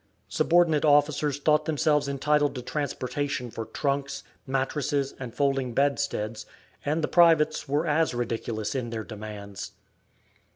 Subordinate officers thought themselves entitled to transportation for trunks, mattresses, and folding bedsteads, and the privates were as ridiculous in their demands.